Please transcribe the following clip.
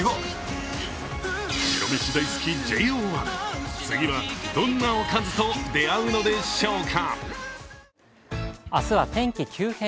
白飯大好きＪＯ１、次はどんなおかずと出会うのでしょうか。